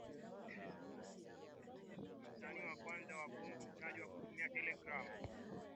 msanii wa kwanza wa Bongo Fleva ikitajwa kutumia gharama kubwa kuiandaa katika historia ya